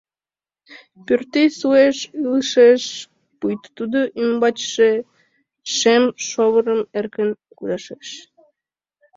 Пӱртӱс уэш ылыжеш, пуйто тудо ӱмбачше шем шовырым эркын кудашеш.